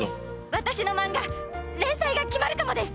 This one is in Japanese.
私のマンガ連載が決まるかもです！